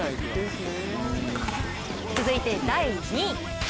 続いて第２位。